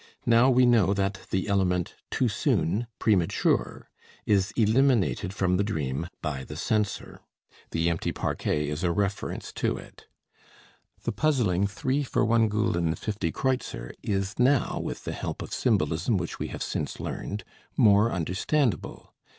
Now we know that the element "too soon, premature" is eliminated from the dream by the censor. The empty parquet is a reference to it. The puzzling "three for 1 Fl. 50 Kr." is now, with the help of symbolism which we have since learned, more understandable.